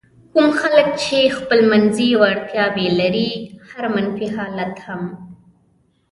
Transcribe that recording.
کوم خلک چې خپلمنځي وړتیاوې لري هر منفي حالت هم.